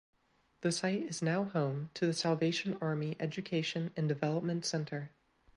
The site is now home to the Salvation Army Education and Development Centre.